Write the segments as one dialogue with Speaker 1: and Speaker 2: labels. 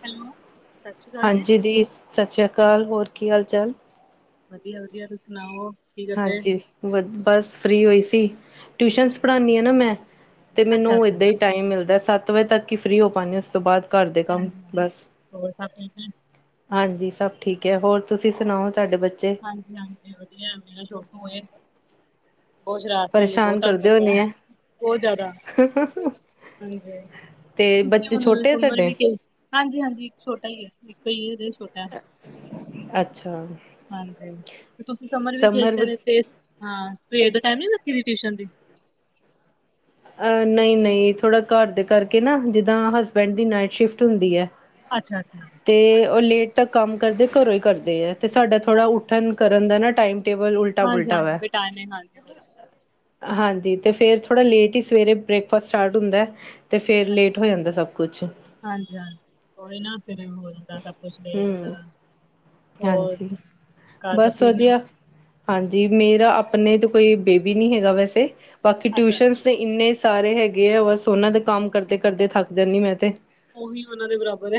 Speaker 1: Hello, ਸਤਿ ਸ਼੍ਰੀ ਅਕਾਲ ਜੀ।
Speaker 2: ਹਾਂਜੀ ਦੀ ਸਤਿ ਸ਼੍ਰੀ ਅਕਾਲ ਹੋਰ ਕੀ ਹਾਲ ਚਾਲ?
Speaker 1: ਵਧੀਆ-ਵਧੀਆ ਤੁਸੀਂ ਸੁਣਾਓ? ਕਰਦੇ?
Speaker 2: ਹਾਂਜੀ ਬਸ ਫ੍ਰਰੀ ਹੋਈ ਸੀ। ਟਿਊਸ਼ਨਜ ਪੜ੍ਹਾਂਨੀ ਆ ਨਾ
Speaker 1: ਅੱਛਾ
Speaker 2: ਮੈਂ ਤੇ ਮੈਨੂੰ
Speaker 1: ਅੱਛਾ।
Speaker 2: ਏਦਾਂ ਈ ਟਾਈਮ ਮਿਲਦਾ ਸੱਤ ਵਜੇ ਤੱਕ ਈ ਫ੍ਰਰੀ ਹੋ ਪਾਣੀ ਆ ਉਸ ਤੋਂ ਬਾਅਦ ਘਰ ਦੇ ਕੰਮ
Speaker 1: ਹਾਂਜੀ ਹਾਂ
Speaker 2: ਬਸ।
Speaker 1: ਹੋਰ ਸਭ ਠੀਕ ਨੇ?
Speaker 2: ਹਾਂਜੀ, ਸਭ ਠੀਕ ਐ। ਹੋਰ ਤੁਸੀਂ ਸੁਣਾਓ ਤੁਹਾਡੇ ਬੱਚੇ
Speaker 1: ਹਾਂਜੀ-ਹਾਂਜੀ, ਵਧੀਆ ਹੁਣੇ ਛੋਪ ਤੋ ਆਏ। ਬੋ ਸ਼ਰਾਰਤੀ ਐ ਬਹੁਤ
Speaker 2: ਪਰੇਸ਼ਾਨ
Speaker 1: ਤੰਗ
Speaker 2: ਕਰਦੇ
Speaker 1: ਕਰਦਾ।
Speaker 2: ਹੋਣੇ ਹੈ
Speaker 1: ਬੋ ਜ਼ਿਆਦਾ, ਹਾਂਜੀ
Speaker 2: ਤੇ
Speaker 1: ਤੁਸੀਂ
Speaker 2: ਬੱਚੇ
Speaker 1: ਹੁਣ
Speaker 2: ਛੋਟੇ ਆ
Speaker 1: ਸਮਰ
Speaker 2: ਤੁਹਾਡੇ
Speaker 1: ਵੀ ਗਏ ਸੀ। ਹਾਂਜੀ-ਹਾਂਜੀ, ਇੱਕ ਛੋਟਾ ਈ ਐ ਇੱਕ [unintelligible] ਛੋਟਾ। ਹੈ।
Speaker 2: ਅੱਛਾ।
Speaker 1: ਹਾਂਜੀ, ਤੁਸੀਂ ਸਮਰ ਵਿਖੇਸ਼ਨ ਤੇ ਹਾਂ। ਸਵੇਰ ਦੇ ਟਾਈਮ ਨੀ ਰੱਖੀ ਦੀ ਟਿਊਸ਼ਨ ਦੀ।
Speaker 2: ਅ ਨਈ ਨਈ, ਥੋੜਾ ਘਰ ਦੇ ਕਰਕੇ ਨਾ ਜਿੱਦਾਂ ਹਸਬੈਂਡ ਦੀ ਨਾਈਟ ਸ਼ਿਫਟ ਹੁੰਦੀ ਐ।
Speaker 1: ਅੱਛਾ ਅੱਛਾ।
Speaker 2: ਤੇ, ਉਹ ਲੇਟ ਤੱਕ ਕੰਮ ਕਰਦੇ ਘਰੋਂ ਹੀ ਕਰਦੇ ਐ, ਤੇ ਸਾਡਾ ਥੋੜ੍ਹਾ ਉੱਠਣ ਕਰਨ ਦਾ ਨਾ ਟਾਈਮ-ਟੇਬਲ ਉਲ
Speaker 1: ਹਾਂਜੀ-ਹਾਂਜੀ, ਬੇ ਟਾਇਮੈ ਹਾਂਜੀ ਹੋਰ
Speaker 2: ਹਾਂਜੀ, ਤੇ ਫੇਰ ਥੋੜਾ ਲੇਟ ਹੀ ਸਵੇਰੇ ਬ੍ਰੇਕਫਾਸਟ ਸਟਾਰਟ ਹੁੰਦਾ। ਤੇ, ਫਿਰ ਲੇਟ ਹੋ ਜਾਂਦਾ ਸਭ ਕੁਛ।
Speaker 1: ਹਾਂਜੀ-ਹਾਂਜੀ, ਓਏ ਨਾ ਫਿਰ ਹੋ ਹੁੰਦਾ ਸਭ-ਕੁਛ ਲੇਟ
Speaker 2: ਹਮ
Speaker 1: ਵਗੈਰਾ, ਹੋਰ
Speaker 2: ਹਾਂਜੀ
Speaker 1: ਘਰ ਸਭ
Speaker 2: ਬਸ
Speaker 1: ਠੀਕ ਨੇ?
Speaker 2: ਵਧੀਆ ਹਾਂਜੀ, ਮੇਰਾ ਆਪਨੇ ਤੇ ਕੋਈ ਬੇਬੀ ਨੀ ਹੈਗਾ ਵੈਸੇ। ਬਾਕੀ
Speaker 1: ਅੱਛਾ
Speaker 2: ਟਿਊਸ਼ਨ
Speaker 1: ਅੱਛਾ
Speaker 2: ਇੰਨੇ ਸਾਰੇ ਹੈਗੇ ਆ, ਬੱਸ ਉਹਨਾਂ ਦੇ ਕੰਮ ਕਰਦੇ-ਕਰਦੇ ਥੱਕ ਜਾਂਨੀ ''ਮੈਂ ਤੇ।
Speaker 1: ਉਹੀ ਉਹਨਾਂ ਦੇ ਬਰਾਬਰ ਐ।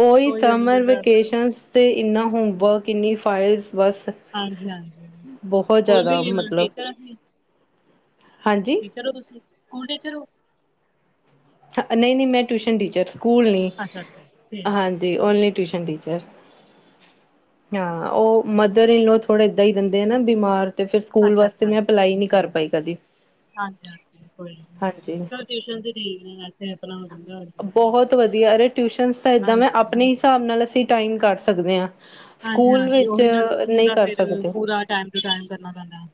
Speaker 2: ਓਹੀ ਸਮਰ ਵਕੇਸ਼ਨਸ 'ਤੇ ਇੰਨਾ ਹੋਮਵਰਕ ਇੰਨੀ ਫਾਈਲਸ ਬੱਸ
Speaker 1: ਹਾਂਜੀ ਹਾਂਜੀ
Speaker 2: ਬਹੁਤ
Speaker 1: ਸਕੂਲ
Speaker 2: ਜ਼ਿਆਦਾ
Speaker 1: ਵੀ
Speaker 2: ਮਤਲਬ,
Speaker 1: ਟੀਚਰ
Speaker 2: ਹਾਂਜੀ।
Speaker 1: ਚਲੋ ਤੁਸੀਂ, ਸਕੂਲ ਟੀਚਰ ਓ?
Speaker 2: ਹ ਨਹੀ-ਨਹੀਂ ਮੈਂ ਟਿਊਸ਼ਨ ਟੀਚਰ, ਸਕੂਲ ਨਹੀਂ,
Speaker 1: ਅੱਛਾ ਅੱਛਾ ਠੀਕ
Speaker 2: ਹਾਂਜੀ ਓਨਲੀ ਟਿਊਸ਼ਨ ਟੀਚਰ। ਹਾਂ, ਉਹ ਮਦਰ ਇਨ ਲੋ, ਥੋੜੇ ਏਦਾਂ ਹੀ ਰਹਿੰਦੇ ਆ ਨਾ ਬਿਮਾਰ ਤੇ ਫਿਰ ਸਕੂਲ
Speaker 1: ਅੱਛਾ
Speaker 2: ਵਾਸਤੇ ''ਮੈਂ ਅਪਲਾਈ ਨਹੀਂ ਕਰ ਪਾਈ ਕਦੀ।
Speaker 1: ਹਾਂਜੀ-ਹਾਂਜੀ, ਕੋਈ ਨੀ
Speaker 2: ਹਾਂਜੀ
Speaker 1: ਟੂਉਸ਼ਨ ਠੀਕ ਏ, ਵੈਸੇ ਆਪਣਾ ਦਿੰ
Speaker 2: ਬਹੁਤ ਵਧੀਆ, ਅਰੇ ਟਿਊਸ਼ਨ ਤਾਂ ਏਦਾਂ ਐ,
Speaker 1: ਹਾਂਜੀ
Speaker 2: ਆਪਣੇ ਹਿਸਾਬ ਨਾਲ ਅਸੀਂ ਟਾਈਮ ਕਢ ਸਕਦੇ ਆਂ।
Speaker 1: ਹਾਂਜੀ-ਹਾਂਜੀ, ਉਹੀ ਨਾ ਸਕੂਲ ਦਾ
Speaker 2: ਕਰ
Speaker 1: ਫਿਰ
Speaker 2: ਸਕਦੇ
Speaker 1: ਪੂਰਾ ਟੈਮ ਟੂ ਟੈਮ ਕਰਨਾ ਪੈਂਦਾ।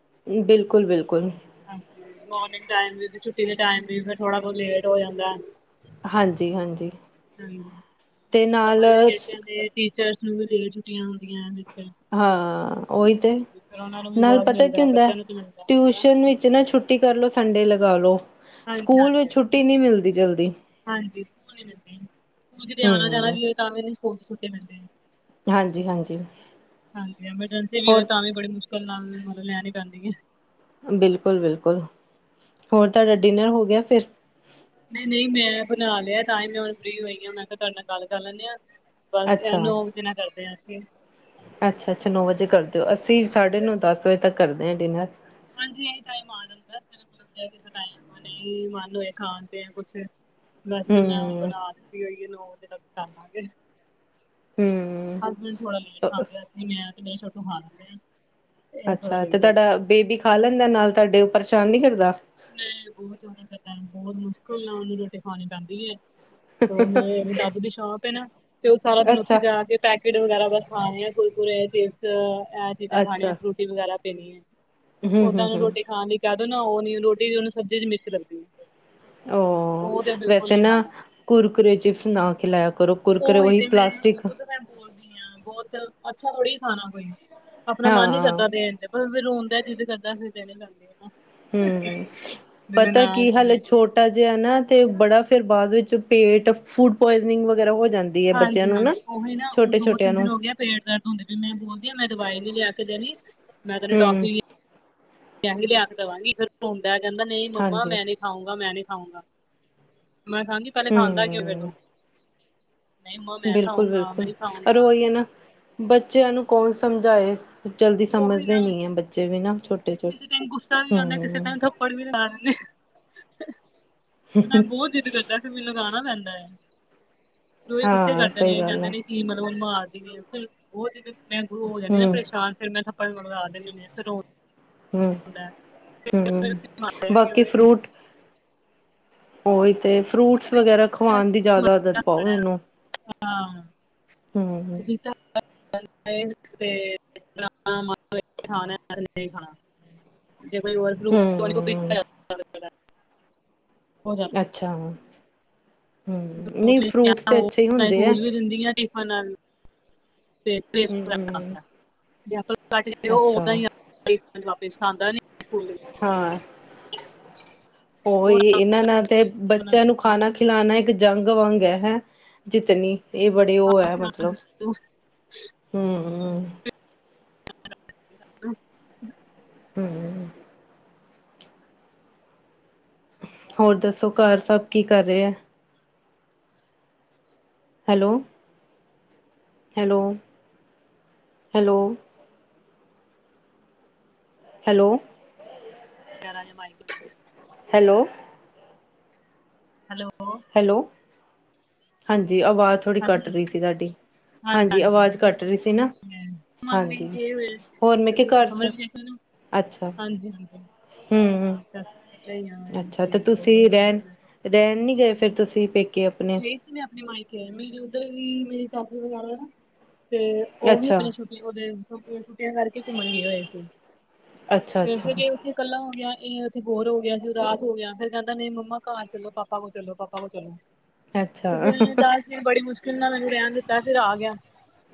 Speaker 2: ਬਿਲਕੁਲ-ਬਿਲਕੁਲ।
Speaker 1: ਮੌਰਨੀੰਗ ਟਾਇਮ ਵੀ, ਫਿਰ ਛੁੱਟੀ ਦੇ ਟਾਇਮ ਵੀ, ਫਿਰ ਥੋੜਾ-ਬੋਤ ਲੇਟ ਹੋ ਜਾਂਦਾ।
Speaker 2: ਹਾਂਜੀ ਹਾਂਜੀ
Speaker 1: ਹਾਂਜੀ,
Speaker 2: ਤੇ ਨਾਲ
Speaker 1: ਸਮਰ ਵੇਕੇਸ਼ਨ ਤੇ ਟੀਚਰਸ ਨੂੰ ਵੀ ਲੇਟ ਛੁੱਟੀਆਂ ਹੁੰਦੀਆਂ, ਇੱਕ।
Speaker 2: ਹਾ, ਉਹੀ ਤੇ
Speaker 1: ਨੂੰ ਵੀ
Speaker 2: ਨਾਲ
Speaker 1: ਬਹੁਤ
Speaker 2: ਪਤਾ ਕੀ
Speaker 1: ਮਿਲਦਾ
Speaker 2: ਹੁੰਦਾ
Speaker 1: ਬੱਚਿਆਂ ਨੂੰ ਤਾਂ ਮਿਲਦਾ ਹੁੰਦਾ
Speaker 2: ਟਿਊਸ਼ਨ ਵਿੱਚ ਨਾ ਛੁੱ ਛੁੱਟੀ ਕਰਲੋ, ਸੰਡੇ ਲਗਾਲੋ,
Speaker 1: ਹਾਂਜੀ
Speaker 2: ਸਕੂਲ ਵਿੱਚ
Speaker 1: ਹਾਂਜੀ
Speaker 2: ਛੁੱਟੀ ਨਹੀਂ ਮਿਲਦੀ ਜਲਦੀ।
Speaker 1: ਹਾਂਜੀ, ਸਕੂਲ ਨੀ ਮਿਲਦੀ, ਸਕੂਲ'ਚ ਤੇ ਆਣਾ-ਜਾਣਾ
Speaker 2: ਹਮ
Speaker 1: ਵੀ ਹੋਏ, ਤਾਂ ਵੀ ਸਕੂਲ'ਚ ਛੁੱਟੀ ਮਿਲਦੀ।
Speaker 2: ਹਾਂਜੀ ਹਾਂਜੀ
Speaker 1: ਹਾਂਜੀ, ਐਮਰਜੈਂਸੀ ਵੀ ਹੋਵੇ
Speaker 2: ਹੋਰ
Speaker 1: ਤਾਂ ਵੀ ਬੜੀ ਮੁਸ਼ਕਿਲ ਨਾਲ ਮਤਲਬ ਲੈਣੀ ਪੈਂਦੀ ਏ।
Speaker 2: ਬਿਲਕੁਲ-ਬਿਲਕੁਲ, ਹੋਰ ਤੁਹਾਡਾ ਡਿਨਰ ਹੋਗਿਆ, ਫਿਰ?
Speaker 1: ਨਹੀਂ-ਨਹੀਂ, ਮੈਂ ਬੁਣਾ ਲਿਆ ਤਾਂ ਹੀ ਮੈਂ ਹੁਣ ਫ੍ਰੀ ਹੋਈ ਹਾਂ, ਮੈਂ ਕਿਹਾ ਤੁਹਾਡੇ ਨਾਲ ਗੱਲ ਕਰ ਲੈਂਨੇ ਆ। ਬੱਸ ਐ
Speaker 2: ਅੱਛਾ
Speaker 1: ਨੌ ਵਜੇ ਨਾਲ ਕਰਦੇ ਆ, ਅਸੀਂ
Speaker 2: ਅੱਛਾ-ਅੱਛਾ, ਨੌ ਵਜੇ ਕਰ ਦਿਓ, ਅਸੀਂ
Speaker 1: ਹਾਂਜੀ ਹਾਂਜੀ
Speaker 2: ਸਾਢੇ-ਨੌਂ, ਦੱਸ ਵਜੇ ਤੱਕ ਕਰਦੇ ਆਂ, ਡਿਨਰ।
Speaker 1: ਹਾਂਜੀ, ਏ ਟਾਈਮ ਆ ਜਾਂਦਾ ਬਿਲ ਮਤਲਬ ਟਾਇਮ, ਨਹੀਂ ਮਨ ਹੋਏ ਖਾਣ ਤੇ ਕੁਛ। ਵੈਸੇ ਤੇ ''ਮੈਂ ਹੁਣ
Speaker 2: ਹਮ
Speaker 1: ਬਣਾਤੀ ਹੋਈ ਏ, ਨੋ ਵਜੇ ਤੱਕ ਕਰਾਂਗੇ।
Speaker 2: ਹਮ
Speaker 1: ਹਸਬੈਂਡ ਥੋੜਾ ਲੇਟ ਖਾਂਦੇ ਨੇ ''ਮੈਂ ਤੇ ਮੇਰੇ ਛੋਟੂ ਖਾ ਲੈਂਦੇ ਆ। ਤੇ ਇਹ ਥੋੜਾ
Speaker 2: ਅੱਛਾ, ਤੇ
Speaker 1: ਲੇਟ ਹੋ ਜਾਂਦਾ
Speaker 2: ਤੁਹਾਡਾ ਬੇਬੀ ਖਾ ਲੈਂਦਾ ਨਾਲ ਤੁਹਾਡੇ, ਉਹ ਪਰਸ਼ਾਨ ਨਹੀ ਕਰਦਾ?
Speaker 1: ਨਹੀਂ, ਬਹੁਤ ਜ਼ਿਆਦਾ ਪਤਾ ਬਹੁਤ ਮੁਸ਼ਕਿਲ ਨਾਲ ਉਹਨੂੰ ਰੋਟੀ ਖਾਣੀ ਪੈਂਦੀ ਹੈ। ਤੇ ਮੇਰੇ ਦਾਦੂ ਦੀ ਸ਼ੌਪ ਐ ਨਾ, ਤੇ ਉਹ ਸਾਰਾ ਦਿਨ ਉੱਥੇ
Speaker 2: ਅੱਛਾ
Speaker 1: ਜਾਕੇ ਪੈਕੇਟ ਵਗੈਰਾ ਬੱਸ ਖਾਣੇ ਆ ਕੁਰ-ਕੁਰੇ, ਚਿਪਸ ਐ ਚੀਜ਼ਾਂ ਖਾਣੀਆਂ
Speaker 2: ਅੱਛਾ
Speaker 1: ਆ ਫਰੂਟ ਵਗੈਰਾ ਪੈਣੀ ਏ,
Speaker 2: ਹਮ
Speaker 1: ਓਦਾਂ
Speaker 2: ਹਮ
Speaker 1: ਉਹਨੂੰ
Speaker 2: ਹਮ
Speaker 1: ਰੋਟੀ ਖਾਣ ਲਈ ਕਹਿਦੋ ਨਾ ਉਹ ਨੀ ਰੋਟੀ ਫਿਰ, ਉਹਨੂੰ ਸਬਜ਼ੀ'ਚ ਮਿਰਚ ਲੱਗਦੀ ਏ।
Speaker 2: ਓ ਵੈਸੇ ਨਾ,
Speaker 1: ਖਾਂਦਾ
Speaker 2: ਕੁਰਕਰੇ ਚਿਪਸ ਨਾ ਖਿਲਾਇਆ ਕਰੋ, ਕੁਰਕਰੇ ਓਹੀ ਪਲਾਸਟਿਕ
Speaker 1: ਹੋਰ ਨੀ ਆ, ਬਹੁਤ ਅੱਛਾ ਥੋੜੀ ਖਾਣਾ ਕੋਈ, ਆਪਣਾ ਮਨ ਨੀ
Speaker 2: ਹਾਂ
Speaker 1: ਕਰਦਾ ਦੇਣ ਤੇ। ਫਿਰ ਰੋਂਦੈ, ਜਿੱਦ ਕਰਦਾ ਫਿਰ ਦੇਣੇ ਪੈਂਦੇ ਏ ਨਾ।
Speaker 2: ਹੰੰ ਹੰ ਹੰ ਹੰਮ
Speaker 1: ਦਿਲ
Speaker 2: ਪਤਾ
Speaker 1: ਨਾ
Speaker 2: ਕੀ ਹਾਲੇ
Speaker 1: ਸੁਣੇ ਕਿਸੇ ਦੀ।
Speaker 2: ਛੋਟਾ ਅਜੇ ਹੈ ਨਾ, ਤੇ ਬੜਾ ਫਿਰ ਬਾਅਦ ਵਿੱਚ ਪੇਟ ਫੂਡ ਪੌਇਜ਼ਨਿੰਗ ਵਗੈਰਾ ਹੋ ਜਾਂਦੀ। ਹੈ ਬੱਚਿਆਂ ਨੂੰ ਨਾ
Speaker 1: ਹਾਂਜੀ-ਹਾਂਜੀ ਓਹੀ ਨਾ ਹੁਣ
Speaker 2: ਛੋਟੇ ਛੋਟਿਆਂ
Speaker 1: ਦੋ-ਤਿੰਨ ਦਿਨ
Speaker 2: ਨੂੰ
Speaker 1: ਹੋਗੇ। ਪੇਟ ਦਰਦ ਹੁੰਦੀ ਪਈ ਮੈਂ ਬੋਲਦੀ ਮੈਂ ਦਵਾਈ ਨਈ ਲਿਆ ਕੇ ਦੇਣੀ, ਮੈਂ ਤੇਨੂੰ
Speaker 2: ਹਮ
Speaker 1: ਟੌਫ਼ੀ ਪਹਿਲੇ ਹੀ ਹੱਖ ਦੇਵਾਂਗੀ ਫਿਰ ਧੁੰਨ ਦਾ ਕੇਂਦਾ ਨਈ ਮੰਮਾ
Speaker 2: ਹਾਂਜੀ
Speaker 1: ਮੈਂ ਨੀ ਖਾਊਗਾ ਮੈਂ ਨੀ ਖਾਊਗਾ। ਮੈਂ ਕਹਾਂਗੀ ਪਹਿਲੇ ਖਾਂਦਾ ਕਿਊ ਫਿਰ
Speaker 2: ਹਮ
Speaker 1: ਤੂੰ? ਨਈ ਮਮਾ ਮੈਂ ਨੀ
Speaker 2: ਬਿਲਕੁਲ
Speaker 1: ਖਾਊਂਗਾ
Speaker 2: ਬਿਲਕੁਲ
Speaker 1: ਮੈਂ ਨੀ
Speaker 2: ਔਰ
Speaker 1: ਖਾਊਂਗਾ।
Speaker 2: ਉਹੀ ਹੈ ਨਾ ਬੱਚਿਆਂ ਨੂੰ ਕੌਣ ਸਮਝਾਏ, ਜਲਦੀ
Speaker 1: ਉਹੀ
Speaker 2: ਸਮਝਦੇ
Speaker 1: ਨਾ
Speaker 2: ਨੀ ਏ ਬੱਚੇ ਵੀ ਨਾ ਛੋ
Speaker 1: ਕਿਸੇ ਟਾਈਮ ਗੁੱਸਾ ਵੀ ਆਂਦਾ ਕਿਸੇ ਟਾਈਮ ਤੋ ਪਰ ਵੀਰ ਮਾਰਨੇ ਉਸੇ ਟਾਈਮ ਬੋਤ ਜਿੱਦ ਐਸੇ ਮਿਲ ਲੱਗਣਾ ਪੈਂਦਾ ਏ, ਜੋ ਇਹ ਗੁੱਸੇ
Speaker 2: ਹਾਂ
Speaker 1: ਕਰਦੇ
Speaker 2: ਸਹੀ
Speaker 1: ਨੇ, ਏ
Speaker 2: ਗੱਲ
Speaker 1: ਕਹਿੰਦੇ
Speaker 2: ਹੈ
Speaker 1: ਨੇ [inaudible]
Speaker 2: ਹਮ
Speaker 1: ਫਿਰ ਮੈਂ ਥੱਪੜ ਮਡਵਾ ਦਿੰਦੀ ਐ ਫਿਰ ਰੋਨ
Speaker 2: ਹਮ ਹੂੰ, ਬਾਕੀ
Speaker 1: [inaudible]
Speaker 2: ਓਈ ਤੇ, ਫਰੂਟਸ ਵਗੈਰਾ ਖਵਾਉਣ ਦੀ ਜ਼ਿਆਦਾ
Speaker 1: ਮਰਜ਼ੀ
Speaker 2: ਆਦਤ ਪਾਓ
Speaker 1: ਖਾਣਾ
Speaker 2: ਇਹ ਨੂੰ।
Speaker 1: ਹਾਂ, ਮ ਗੀਤਾ। [inaudible]
Speaker 2: ਹੂੰ,
Speaker 1: [inaudible]
Speaker 2: ਇੱਛਾ। ਫਰੂਟਸ ਤੇ ਅੱਛੇ ਹੀ ਹੁੰਦੇ ਆ
Speaker 1: [unintelligible] ਟਿਫਨ ਨਲ
Speaker 2: ਹੂੰ, ਅੱਛਾ
Speaker 1: [inaudible]
Speaker 2: ਹਾਂ,
Speaker 1: ਬਹੁਤ
Speaker 2: ਓਈ ਇਨਾਂ ਨਾਲ ਤੇ ਬ ਤੈਨੂੰ ਖਾਣਾ
Speaker 1: ਆਪਣਾ
Speaker 2: ਖਿਲਾਣਾ ਇੱਕ ਜੰਗ ਵਾਂਗ ਏ, ਹੈ ਜਿੱਤਣੀ। ਇਹ ਬੜੇ ਓ ਏ ਮਤਲਬ, ਹੰਮ-ਹੰਮ।
Speaker 1: [inaudible]
Speaker 2: [inaudible] ਹੋਰ ਦੱਸੋ ਘਰ ਸਭ ਕੀ ਕਰ ਰੈ ਏ। Hello, hello, hello. ਹੈਲੋ,
Speaker 1: ਕਰਾਗੇ ਮਈ ਕੋ
Speaker 2: ਹੈਲੋ।
Speaker 1: ਹੈਲੋ।
Speaker 2: ਹੈਲੋ, ਹਾਂਜੀ ਆਵਾਜ਼ ਥੋੜ੍ਹੀ ਕੱਟ ਰਹੀ ਸੀ ਤੁਹਾਡੀ।
Speaker 1: ਹਾਂਜੀ, ਹਾਂਜੀ,
Speaker 2: ਆਵਾਜ਼ ਕੱਟ ਰਹੀ ਸੀ ਨਾ
Speaker 1: ਹਾਂਜੀ, ਮੇਨ
Speaker 2: ਹਾਂਜੀ
Speaker 1: ਮਨਵੀਨ ਗੇਏ ਵੇ।
Speaker 2: ਹੋਰ ਮੈਂ ਕਿਹਾ
Speaker 1: ਤੁਸੀਂ
Speaker 2: ਘਰ
Speaker 1: ਸਮਝ
Speaker 2: ਸਭ
Speaker 1: ਗਏ ਸਾਨੂੰ
Speaker 2: ਅੱਛਾ
Speaker 1: ਹਾਂਜੀ-ਹਾਂਜੀ। [inaudible]
Speaker 2: ਹੂੰ ਰੈਣ ਨੀ ਗਏ ਫਿਰ ਤੁਸੀਂ ਪੇਕੇ ਆਪਣੇ?
Speaker 1: ਗਈ ਮੈਂ ਆਪਣੇ ਮਾਇਕੇ, ਮੇਰੇ ਉੱਧਰ ਵੀ ਮੇਰੇ ਚਾਚੀ ਵਗੈਰਾ ਹੈਨਾ, ਤੇ ਓ ਵੀ
Speaker 2: ਅੱਛਾ
Speaker 1: ਆਪਣੇ ਛੁਟ ਓਦੇ ਸਕੂਲ ਛੁੱਟੀਆਂ ਕਰਕੇ ਘੁੰਮਣ ਗਏ ਹੋਏ ਸੀ,
Speaker 2: ਅੱਛਾ
Speaker 1: ਫਿਰ
Speaker 2: ਅੱਛਾ
Speaker 1: ਸੇ ਕੀ ਇਹ ਕਲ੍ਹਾ ਹੋ ਗਿਆ ਇਹ ਉੱਥੇ ਬੋਰ ਹੋ ਗਿਆ ਸੀ ਉਦਾਸ ਹੋ ਗਿਆ, ਫਿਰ ਕਹਿੰਦਾ ਨਹੀਂ ਮੰਮਾ ਘਰ ਚਲੋ ਪਾਪਾ ਕੋਲ ਚਲੋ, ਪਾਪਾ ਕੋਲ ਚਲੋ।
Speaker 2: ਅੱਛਾ
Speaker 1: ਤੇ
Speaker 2: ਹੂੰ
Speaker 1: ਫਿਰ ਤਰਸ ਸੀ ਬੜੀ ਮੁਸ਼ਕਿਲ ਨਾਲ ਮੈਨੂੰ ਰਹਿਣ ਦਿੱਤਾ ਫਿਰ ਆ ਗਿਆ।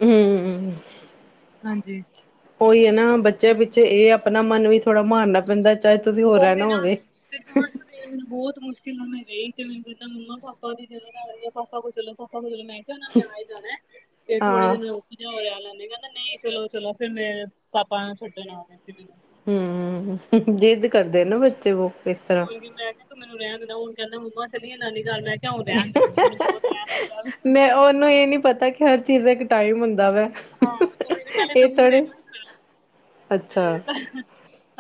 Speaker 2: ਹੰ, ਹੰ, ਹੰ
Speaker 1: ਹਾਂਜੀ,
Speaker 2: ਓਈ ਏ ਨਾ ਬੱਚਿਆਂ ਪਿੱਛੇ ਇਹ ਆਪਣਾ ਮਨ ਵੀ ਥੋੜਾ ਮਾਰਨਾ ਪੈਂਦਾ। ਚਾਹੇ ਤੁਸੀਂ ਹੋਰ ਰਹਿਣਾ ਹੋਵੇ।
Speaker 1: ਫਿਰ ਮੈਨੂੰ ਬਹੁਤ ਮੁਸ਼ਕਿਲ ਨਾਲ ਮੈਂ ਰਹੀ ਤੇ, ਮੈਨੂੰ ਕਹਿੰਦਾ ਮੰਮਾ ਪਾਪਾ ਦੀ ਯਾਦ ਆ ਰਹੀ ਹੈ। ਪਾਪਾ ਕੁਲ ਚਲੋ। ਪਾਪਾ ਕੁ ਚਲੋ, ਮੈਂ ਆਏ ਹੀ ਜਾਣਾ ਤੇ ਥੋੜੇ
Speaker 2: ਹਾਂ
Speaker 1: ਦਿਨ। ਹੋਰਿਆਂ ਨੇ ਕਹਿੰਦਾ ਨਹੀਂ ਚਲੋ, ਚਲੋ। ਫਿਰ ਮੇਰੇ ਪਾਪਾ ਛੱਡਣ ਆ ਗਏ ਸੀ। ਮੈਨੂੰ
Speaker 2: ਹੂੰ ਜਿੱਦ ਕਰਦੇ ਨਾ ਬੱਚੇ ਵ ਇਸ ਤਰ੍ਹਾਂ।
Speaker 1: ਮੈ ਕਿਹਾ ਮੈਨੂੰ ਰਹਿਣ ਦੇ, ਹੁਣ ਕਹਿੰਦਾ ਮੰਮਾ ਚੱਲੀਏ ਨਾਨੀ ਘਰ ਮੈਂ। ਉਹ ਰਹਿਣ ਦੇ ਤੂੰ ਮੈਨੂੰ ਬਹੁਤ ਰਹਿਣ ਦਿੱਤਾ ਵ।
Speaker 2: ਨਹੀਂ ਪਤਾ ਕਿ। ਹਰ ਚੀਜ਼ ਦਾ ਇੱਕ ਟਾਈਮ ਹੁੰਦਾ ਵਾ।
Speaker 1: ਹਾਂ ਕੋਹੇ ਨਾਲੇ
Speaker 2: ਇਹ
Speaker 1: ਦੂਰ ਹੈ
Speaker 2: ਥੋੜੇ
Speaker 1: ਨਾ
Speaker 2: ਅੱਛਾ
Speaker 1: ਤੇ।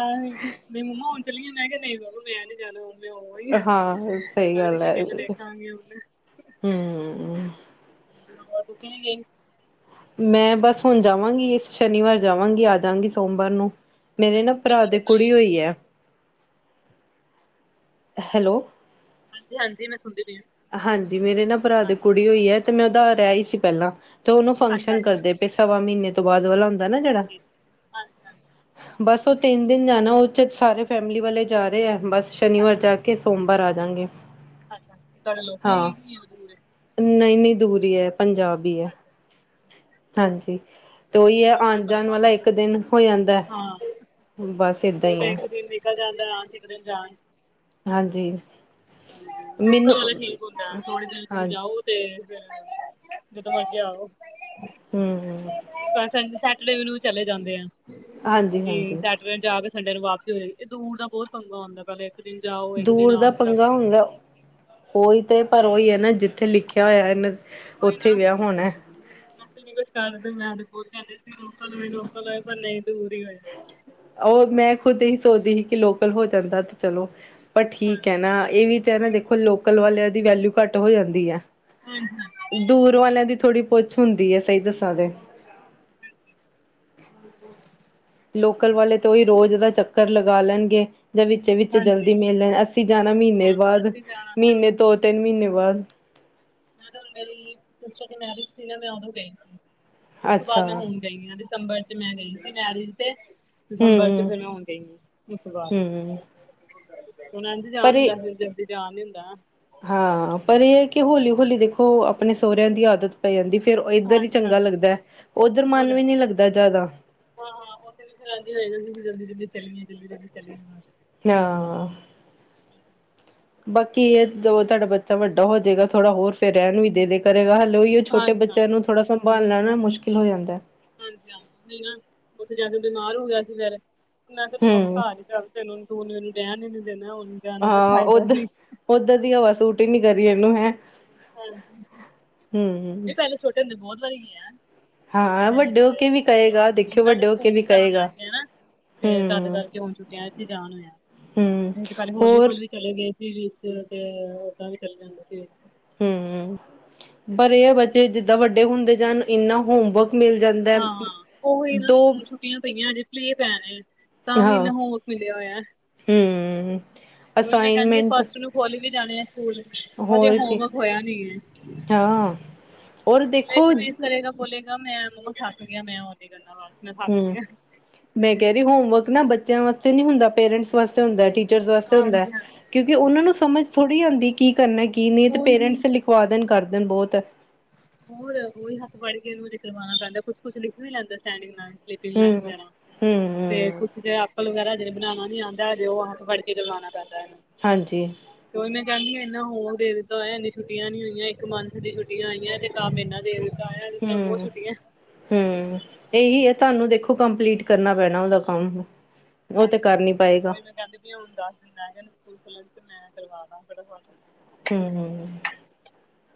Speaker 1: ਆ ਨਹੀਂ ਮੰਮਾ ਹੁਣ ਚੱਲੀਆਂ ਮੈਂ ਕਿਹਾ ਨਹੀਂ ਬਾਬੂ ਮੈਂ ਨੀ ਜਾਣਾ ਹੁਣ। ਉਹ ਹੀ
Speaker 2: ਹਾਂ ਸਹੀ
Speaker 1: ਆ ਅਗਲੀ
Speaker 2: ਗੱਲ ਹੈ।
Speaker 1: ਛੁੱਟੀਆਂ ਤੋਂ ਦੇਖਾਂਗੀ ਹੁਣ।
Speaker 2: ਹੂੰ
Speaker 1: ਹਾਂ ਤੁਸੀਂ ਵੀ।
Speaker 2: ਮੈਂ ਬਸ ਹੁਣ ਜਾਵਾਂਗੀ, ਇਸ ਸ਼ਨੀਵਾਰ ਜਾਵਾਂਗੀ ਆ ਜਾਗੀ ਸੋਮਵਾਰ ਨੂੰ। ਮੇਰੇ
Speaker 1: ਅੱਛਾ
Speaker 2: ਨਾ ਭਰਾ
Speaker 1: ਤੁਹਾਡਾ
Speaker 2: ਦੇ
Speaker 1: ਲੋਕਲ ਹੀ
Speaker 2: ਕੁੜੀ ਹੋਈ ਹੈ। ਹੈਲੋ।
Speaker 1: ਹਾਂਜੀ, ਹਾਂਜੀ ਮੈਂ ਸੁਣਦੀ ਪਈ ਹਾਂ।
Speaker 2: ਹਾਂਜੀ ਮੇਰੇ ਨਾ ਭਰਾ ਦੀ
Speaker 1: ਹਾਂਜੀ
Speaker 2: ਕੁੜੀ ਹੋਈ ਹੈ ਤੇ, ਮੈਂ ਉਦਾ ਰਿਹ ਆਈ ਸੀ ਪਹਿਲਾਂ। ਤੇ ਉਹਨੂੰ
Speaker 1: ਅੱਛਾ
Speaker 2: ਫੰਕਸ਼ਨ
Speaker 1: ਅੱਛਾ
Speaker 2: ਕਰਦੇ ਪਏ
Speaker 1: ਅੱਛਾ
Speaker 2: ਸਵਾ ਮਹੀਨੇ ਤੋਂ ਬਾਅਦ ਵਾਲਾ ਹੁੰਦਾ ਨਾ ਜਿਹੜਾ।
Speaker 1: ਹਾਂਜੀ ਹਾਂਜੀ
Speaker 2: ਬਸ ਉਹ ਤਿੰਨ ਦਿਨ ਜਾਣਾ ਉਹ ਚ ਸਾਰੇ ਫੈਮਿਲੀ ਵਾਲੇ ਜਾ ਰਹੇ ਆ ਬਸ ਸ਼ਨੀਵਾਰ
Speaker 1: ਅੱਛਾ
Speaker 2: ਜਾ ਕੇ। ਸੋਮਵਾਰ ਆ ਜਾਂਗੇ।
Speaker 1: ਅੱਛਾ ਤੁਹਾਡਾ ਲੋਕਲ ਹੀਗੀ, ਦੂਰ ਹੈ।
Speaker 2: ਨਹੀਂ, ਨਹੀਂ ਦੂਰੀ ਹੈ, ਪੰਜਾਬ ਹੀ ਹੈ।
Speaker 1: ਅੱਛਾ
Speaker 2: ਹਾਂਜੀ, ਤੇ ਉਹੀ
Speaker 1: ਦੂਰ
Speaker 2: ਹੈ
Speaker 1: ਦਾ ਬਹੁਤ
Speaker 2: ਆਉਣ ਜਾਣ
Speaker 1: ਪੰਗਾ
Speaker 2: ਵਾਲਾ
Speaker 1: ਹੁੰਦਾ
Speaker 2: ਇੱਕ
Speaker 1: ਨਾ।
Speaker 2: ਦਿਨ ਹੋ ਜਾਂਦਾ।
Speaker 1: ਹਾਂ
Speaker 2: ਬਸ ਏਦਾਂ
Speaker 1: ਉਹ
Speaker 2: ਹੀ
Speaker 1: ਤਾਂ
Speaker 2: ਹੈ
Speaker 1: ਇੱਕ ਦਿਨ ਨਿਕਲ ਜਾਂਦਾ ਆ ਦਿਨ ਜਾਣ
Speaker 2: ਹਾਂਜੀ
Speaker 1: ਹਾਂਜੀ ਲੋਕਲ
Speaker 2: ਮੈਨੂੰ
Speaker 1: ਵਾਲਾ ਠੀਕ ਹੁੰਦਾ ਥੋੜੇ ਦੇਰ
Speaker 2: ਹਾਂਜੀ
Speaker 1: ਜਾਓ। ਤੇ ਫਿਰ ਜਦੋਂ ਮਰਜੀ ਆਓ।
Speaker 2: ਹੂੰ ਹੂੰ।
Speaker 1: ਤਾਂ ਸੈਟਰਡੇ ਨੂੰ ਚਲੇ ਜਾਂਦੇ ਆ
Speaker 2: ਹਾਂਜੀ
Speaker 1: ਤੇ
Speaker 2: ਹਾਂਜੀ
Speaker 1: ਸੈ ਜਾ ਕੇ ਸੰਡੇ ਨੂੰ ਵਾਪਸੀ ਹੋਏਗੀ, ਇਹ ਦੂਰ ਦਾ ਬਹੁਤ ਪੰੰਗਾ ਹੁੰਦਾ ਪਹਿਲੇ ਇੱਕ ਦਿਨ ਜਾਓ ਇੱਕ ਦਿਨ
Speaker 2: ਦੂਰ ਦਾ
Speaker 1: ਆਨ ਚ ਲੱਗ
Speaker 2: ਪੰਗਾ
Speaker 1: ਜਾਂਦਾ।
Speaker 2: ਹੁੰਦਾ ਉਹੀ ਤੇ ਪਰ ਉਹੀ ਹੈ ਨਾ ਜਿੱਥੇ ਲਿਖਿਆ ਹੋਇਆ ਇਹਨੇ। ਉੱਥੇ ਵਿਆਹ ਹੋਣ।
Speaker 1: ਅਸੀ ਨੀ ਕੁਛ ਕਰਦੇ ਮੈਂ ਤੇ ਪਰ ਕਰਦੇ ਸੀ ਲੋਕਾਂ ਨੂੰ ਲੋਕਲ ਹੋਏ ਪਰ ਨਹੀਂ ਦੂਰ ਹੀ ਹੋਇਆ।
Speaker 2: ਉਹ ਮੈਂ ਖੁਦ ਇਹੀ ਸੋਚਦੀ ਸੀ ਕਿ ਲੋਕਲ ਹੋ ਜਾਂਦਾ ਤੇ ਚਲੋ ਪਰ ਠੀਕ ਹੈ
Speaker 1: ਹਾਂਜੀ
Speaker 2: ਨਾ ਇਹ ਵੀ। ਨਾ ਦੇਖੋ ਲੋਕਲ ਵਾਲਿਆਂ ਦੀ ਵੈਲਊ ਘੱਟ ਹੋ ਜਾਂਦੀ ਹੈ।
Speaker 1: ਹਾਂਜੀ
Speaker 2: ਦੂਰ ਵਾਲਿਆਂ ਦੀ ਥੋੜ੍ਹੀ ਪੁੱਛ ਹੁੰਦੀ ਹੈ, ਸਹੀ ਦੱਸਾਂ ਦੇ।
Speaker 1: ਹਾਂਜੀ
Speaker 2: ਹਾਂ। ਲੋਕਲ ਵਾਲੇ ਤੋਂ ਉਹੀ ਰੋਜ਼ ਦਾ ਚੱਕਰ ਲਗਾ ਲੈਣਗੇ ਜਾਂ ਵੀ। ਬੱਚੇ ਵਿੱਚ
Speaker 1: ਹਾਂਜੀ
Speaker 2: ਜਲਦੀ ਮਿਲ ਲੈਣਾ, ਅਸੀਂ ਜਾਣਾ ਮਹੀਨੇ
Speaker 1: ਹਾਂ
Speaker 2: ਬਾਅਦ
Speaker 1: ਅਸੀਂ ਜਾਣਾ ਹਾਂ
Speaker 2: ਮਹੀਨੇ ਦੋ ਤਿੰਨ ਮਹੀਨੇ ਬਾਅਦ।
Speaker 1: ਮੈਂ ਮੇਰੀ ਮੈਰਿਜ ਸੀ ਨਾ ਮੈਂ ਉਦੋਂ ਗਈ ਸੀ ਉਸ ਤੋਂ ਬਾਅਦ
Speaker 2: ਅੱਛਾ
Speaker 1: ਮੈਂ ਹੁਣ। ਗਈ ਹਾਂ ਦਸੰਬਰ ਚ ਮੈਂ ਗਈ ਸੀ ਮੈਰਿਜ ਤੇ
Speaker 2: ਹੂੰ
Speaker 1: ਦਸੰਬਰ। ਫਿਰ ਮੈਂ ਆਉਣ ਗਈ ਹ ਉਸ ਤੋਂ ਬਾਅਦ
Speaker 2: ਹੂੰ
Speaker 1: ਹੁਣ ਕਹਿੰਦੀ ਜਾਣ
Speaker 2: ਪਰ ਇਹ
Speaker 1: ਹੁੰਦਾ ਫਿਰ ਜਾਂਦੀ। ਜਾ ਨਹੀਂ ਹੁੰਦਾ ਨਾ।
Speaker 2: ਹਾਂ, ਪਰ ਇਹ ਹੈ ਕਿ ਹੌਲੀ-ਹੌਲੀ ਦੇਖੋ, ਆਪਣੇ ਸਹੁਰਿਆਂ ਦੀ ਆਦਤ ਪੈ ਜਾਂਦੀ ਫੇਰ ਇੱਧਰ ਹੀ
Speaker 1: ਹਾਂਜੀ
Speaker 2: ਚੰਗਾ
Speaker 1: ਹਾਂਜੀ
Speaker 2: ਲੱਗਦੈ, ਓਧਰ
Speaker 1: ਹੋਰ
Speaker 2: ਮਨ ਵੀ ਨੀ ਲੱਗਦਾ ਜ਼ਿਆਦਾ।
Speaker 1: ਹਾਂ-ਹਾਂ, ਉਹ ਜਲਦੀ-ਜਲਦੀ ਚਲੀਏ, ਜਲਦੀ-ਜਲਦੀ ਚਲੀਏ
Speaker 2: ਹਾ ਬਾਕੀ, ਇਹਦੋਂ ਤੁਹਾਡਾ ਬੱਚਾ ਵੱਡਾ ਹੋਜੇਗਾ ਥੋੜਾ ਹੋਰ, ਫਿਰ ਰਹਿਣ ਵੀ ਦੇਦੇ ਕਰੇਗਾ, ਹਲੇ ਉਹੀਓ ਛੋਟੇ ਬੱਚਿਆਂ ਨੂੰ
Speaker 1: ਹਾਂਜੀ-ਹਾਂਜੀ,
Speaker 2: ਥੋੜ੍ਹਾ ਸੰਭਾਲਣਾ ਨਾ, ਮੁਸ਼ਕਿਲ ਹੋ ਜਾਂਦੈ।
Speaker 1: ਹਾਂਜੀ-ਹਾਂਜੀ, ਹ ਨਾ ਉੱਥੇ ਜਾਕੇ ਬਿਮਾਰ ਹੋਗਿਆ ਸੀ ਫਿਰ। ਮੈਂ ਕਿਹਾ ਤੂੰ
Speaker 2: ਹੂੰ
Speaker 1: ਬਬਾ ਘਰ ਹੀ ਚੱਲ, ਤੈਨ, ਤੂ ਓਹਨੂੰ ਰਹਿਣ ਹੀ ਨੀ ਦੇਣਾ ਉਹਨੂੰ।
Speaker 2: ਹਾ, ਓਧਰ, ਓਧਰ ਦੀ ਹਵਾ ਸੂਟ ਹੀ ਨੀ ਕਰਰੀ ਹੈਂ।
Speaker 1: ਹਾਂ ਜੀ।
Speaker 2: ਹੂੰ, ਹੂੰ
Speaker 1: ਛੋਟੇ ਹੁੰਦੇ ਬਹੁਤ ਵਾਰੀ ਗੇ ਆਂ।
Speaker 2: ਹਾਂ
Speaker 1: ਕਹਿੰਦੇ ਨੇ
Speaker 2: ਵੱਡੇ ਹੋ
Speaker 1: ਕਿ
Speaker 2: ਕੇ ਵੀ
Speaker 1: ਜਦੋਂ,
Speaker 2: ਕਹੇਗਾ
Speaker 1: ਉਹ
Speaker 2: ਦੇਖਿਓ
Speaker 1: ਨਾਲੇ
Speaker 2: ਵੱਡੇ ਹੋ ਕੇ ਵੀ
Speaker 1: ਸਕੂਲ ਜਾਣ
Speaker 2: ਕਹੇਗਾ
Speaker 1: ਲੱਗ ਗਏ ਹਨਾ। ਤੇ ਤਦ
Speaker 2: ਹੂੰ
Speaker 1: ਕਰਕੇ ਹੁਣ ਛੁੱਟੀਆਂ ਵਿੱਚ ਹੀ ਜਾਨ ਹੋਇਆ,
Speaker 2: ਹੂੰ
Speaker 1: ਹੁਣ ਤੇ ਪਹਿਲੇ
Speaker 2: ਹੋਰ
Speaker 1: ਹੌਲੀ-ਹੌਲੀ ਚਲੇ ਗਏ ਸੀ ਵਿੱਚ ਤੇ, ਓਦਾਂ ਵੀ ਚਲੇ ਜਾਂਦੇ ਸੀ।
Speaker 2: ਹੂੰ, ਪਰ ਇਹ ਆ ਬੱਚੇ ਜਿੱਦਾਂ ਵੱਡੇ ਹੁੰਦੇ ਜਾਣ, ਇੰਨਾ ਹੋਮਵਰਕ ਮਿਲ ਜਾਂਦੈ
Speaker 1: ਹਾਂ ਉਹੀ ਨਾ
Speaker 2: ਦੋ
Speaker 1: ਹੁਣ ਛੁੱਟੀਆਂ ਪਈਆਂ ਅਜੇ [unintelligible] ਪੈਣੇ ਤਾਂ ਵੀ
Speaker 2: ਹਾਂ
Speaker 1: ਇਨਾ ਹੋਸਵਰਕ ਮਿਲਿਆ ਹੋਇਆ।
Speaker 2: ਹੂੰ, ਅਸਾਈਨਮੈਂਟ
Speaker 1: ਖੁਲ ਵੀ ਜਾਣੇ ਆ ਸਕੂਲ, ਹਜੇ
Speaker 2: ਹੋਰ ਕੀ
Speaker 1: ਹੋਮਵਰਕ ਹੋਇਆ ਨੀ।
Speaker 2: ਹਾਂ ਔਰ ਦੇਖੋ
Speaker 1: ਕਰੇਗਾ, ਬੋਲੇਗਾ ''ਮੈਂ ਉਹ ਥਕ ਗਿਆ, ਮੈਂ ਉਹਦੀ ਗੱਲਾਂ
Speaker 2: ਹੂੰ, ਮੈਂ ਕਹਿ ਰਹੀ ਹੋਮਵਰਕ ਨਾ ਬੱਚਿਆਂ ਵਾਸਤੇ ਨੀ ਹੁੰਦਾ, ਪੇਰੈਂਟਸ ਵਾਸਤੇ ਹੁੰਦਾ। ਟੀਚਰਸ ਵਾਸਤੇ ਹੁੰਦਾ,
Speaker 1: ਹਾਂਜੀ ਹਾਂਜੀ
Speaker 2: ਕਿਉਂਕਿ ਉਹਨਾਂ ਨੂੰ ਸਮਝ ਥੋੜੀ ਹੂੰਦੀ ਕੀ ਕਰਨਾ, ਕੀ ਨਹੀਂ ਤੇ
Speaker 1: ਹੋਰ ਕੀ
Speaker 2: ਪੇਰੈਂਟਸ ਖਵਾ ਦੇਨ, ਕਰ ਦੇਨ ਬਹੁਤ।
Speaker 1: ਹੋਰ, ਉਹੀ ਹੱਥ ਫੜ੍ਹਕੇ ਉਹਨੂੰ ਕਰਵਾਣਾ ਪੈਂਦਾ, ਕੁਛ-ਕੁਛ ਲਿਖ ਵੀ ਲੈਂਦਾ ਸਟੈਂਡੀਗ ਨਾਲ ਲਾਇਨ
Speaker 2: ਹੂੰ
Speaker 1: ਵਗੈਰਾ,
Speaker 2: ਹੂੰ
Speaker 1: ਫਿਰ
Speaker 2: ਹੂੰ
Speaker 1: ਕੁਛ ਅਜੇ ਐਪਲ ਵਗੈਰਾ ਜੇਹੜਾ ਬਣਾਣਾ ਨੀ ਆਂਦਾ, ਹਜੇ ਉਹ ਹੱਥ ਫੜਕੇ ਕਰਵਾਣਾ ਪੈਂਦਾ।
Speaker 2: ਹਾਂਜੀ।
Speaker 1: ਤੇ ਓਈ ''ਮੈਂ ਕਹਿੰਦੀ ਇੰਨਾ ਹੋਮਵਰਕ ਦੇ ਦਿੱਤਾ ਹੋਇਆ, ਇਨੀ ਛੁੱਟੀਆਂ ਨੀ ਹੋਈਆਂ ਇੱਕ ਮੰਥ ਦੀ ਛੁੱ ਆਈਆਂ, ਤੇ ਕੰਮ ਇੰਨਾ ਦੇ ਇਦਾਂ ਆਇਆ ਜਿਦਾਂ ਬਹੋਤ
Speaker 2: ਹੂੰ
Speaker 1: ਛੁੱਟੀਆਂ
Speaker 2: ਹੂੰ, ਇਹੀ ਆ ਤੁਹਾਨੂੰ ਦੇਖੋ ਕੰਪਲੀਟ ਕਰਨਾ ਪੈਣਾ ਉਹਦਾ ਕੰਮ। ਓਹ ਤੇ ਕਰ ਨੀ ਪਾਏਗਾ।
Speaker 1: ਤੇ ਹੁਣ ਦੱਸ ਦਿਨ ਰਹਿ ਗਏ ਨੇ, ਸਕੂਲ ਖੁਲਣ ਵਿਚ ਮੈ ਕਰਵਾਦਾਂ ਫਟਾਫਟ
Speaker 2: ਹੂੰ, ਹੂੰ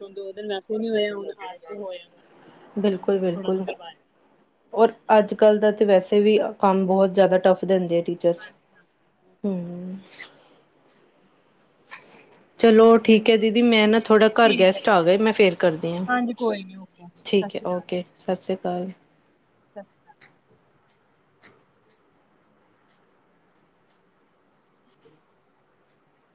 Speaker 1: ਹੁਣ ਦੋ-ਦਿਨ ਵੈਸੇ ਨੀ ਹੋਇਆ, ਹੁਣ ਹਾਰ ਕੇ ਹੋਇਆ ਵੇ।
Speaker 2: ਬਿਲਕੁਲ-ਬਿਲਕੁਲ। ਔਰ ਅੱਜ-ਕੱਲ ਦਾ ਤੇ ਵੈਸੇ ਵੀ, ਕੰਮ ਬਹੁਤ ਜ਼ਿਆਦਾ ਟਫ ਦਿੰਦੇ ਆ ਟੀ ਟੀਚਰਸ,
Speaker 1: ਹਾਂਜੀ-ਹਾਂਜੀ ਹੋਰ
Speaker 2: ਹੂੰ ਚਲੋ
Speaker 1: ਹੋਰ
Speaker 2: ਠੀਕ ਐ
Speaker 1: ਸੁਣਾਓ?
Speaker 2: ਦੀਦੀ, ਮੈਂ ਨਾ
Speaker 1: ਹਾਂਜੀ
Speaker 2: ਥੋੜਾ ਘਰ
Speaker 1: ਠੀਕ
Speaker 2: ਗੈਸਟ ਆ ਗਏ ''ਮੈਂ ਫੇਰ ਕਰਦੀ ਆਂ।
Speaker 1: ਫ੍ਰੀ ਹੋਕੇ, ਸਤਿ ਸ਼੍ਰੀ ਅਕਾਲ।
Speaker 2: ਸਤਿ ਸ਼੍ਰੀ ਅਕਾਲ।
Speaker 1: ਸਤਿ [inaudible]